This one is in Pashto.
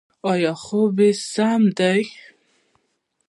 ایا خوب یې سم دی؟